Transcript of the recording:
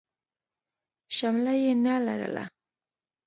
شمله يې نه لرله.